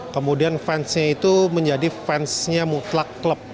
kemudian fansnya itu menjadi fansnya mutlak klub